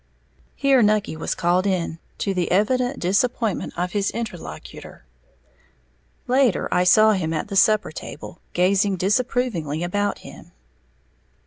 Here Nucky was called in, to the evident disappointment of his interlocutor. Later, I saw him at the supper table, gazing disapprovingly about him.